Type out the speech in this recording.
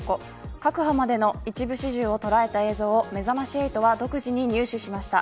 確保までの一部始終を捉えた映像をめざまし８は独自に入手しました。